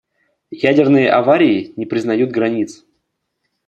Ядерные аварии не признают границ.